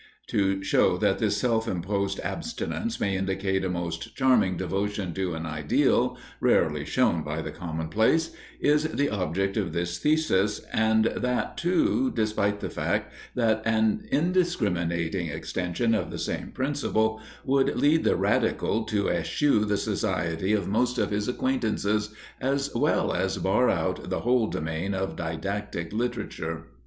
To show that this self imposed abstinence may indicate a most charming devotion to an ideal, rarely shown by the commonplace, is the object of this thesis, and that, too, despite the fact that an indiscriminating extension of the same principle would lead the radical to eschew the society of most of his acquaintances, as well as bar out the whole domain of didactic literature.